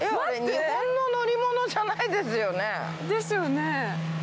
日本の乗り物じゃないですよね？